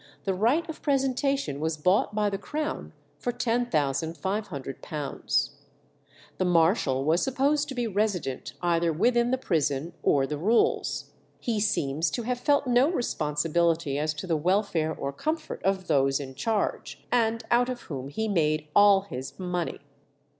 the right of presentation was bought by the Crown for £10,500. The marshal was supposed to be resident either within the prison or the rules. He seems to have felt no responsibility as to the welfare or comfort of those in charge, and out of whom he made all his money.